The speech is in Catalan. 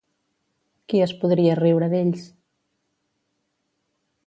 Qui es podria riure d'ells?